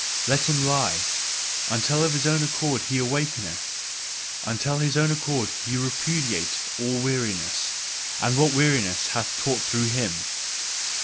Let him lie, until of his own accord he awakeneth, until of his own accord he repudiateth all weariness, and what weariness hath taught through him!